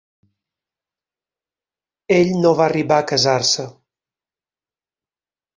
Ell no va arribar a casar-se.